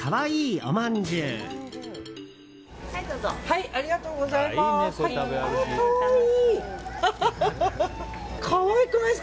ありがとうございます。